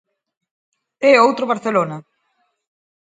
É outro Barcelona.